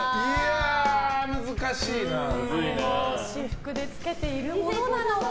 私服でつけているものなのか。